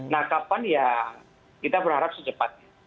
nah kapan ya kita berharap secepatnya